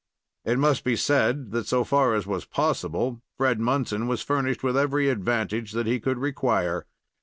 It must be said that, so far as it was possible, Fred Munson was furnished with every advantage that he could require.